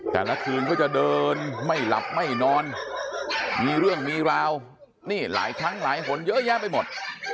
แต่ละคืนก็จะเดินไม่หลับไม่นอนมีเรื่องมีราวนี่หลายครั้งหลายหนเยอะแยะไปหมด